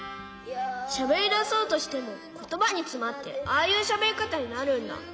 しゃべりだそうとしてもことばにつまってああいうしゃべりかたになるんだ。